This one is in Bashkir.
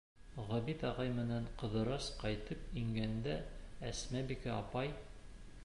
Ғәбит ағай менән Ҡыҙырас ҡайтып ингәндә, Әсмәбикә апай: